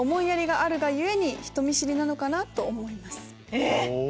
えっ！